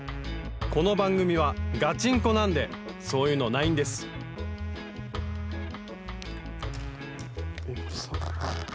この番組はガチンコなんでそういうのないんですお！